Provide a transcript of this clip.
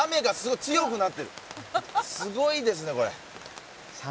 すごいですねこれ。